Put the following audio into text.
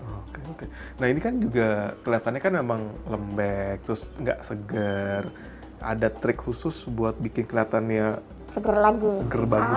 oke oke nah ini kan juga kelihatannya kan emang lembek terus nggak segar ada trik khusus buat bikin kelihatannya seger bagus